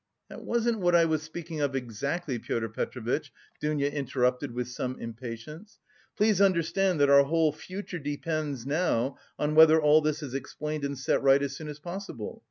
"That wasn't what I was speaking of exactly, Pyotr Petrovitch," Dounia interrupted with some impatience. "Please understand that our whole future depends now on whether all this is explained and set right as soon as possible.